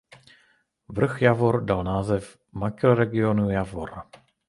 Vrch Javor dal název „Mikroregionu Javor“.